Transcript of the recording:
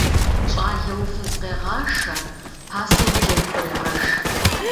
Щӏалэу фыз къегъашэ, пасэу джэд кърегъэш.